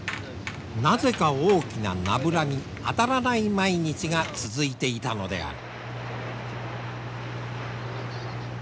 なぜか大きなナブラに当たらない毎日が続いていたのである。